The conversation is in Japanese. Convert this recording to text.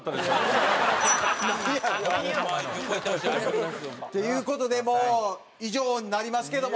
なんやねん？っていう事でもう以上になりますけども。